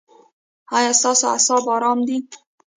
ایا ستاسو اعصاب ارام دي؟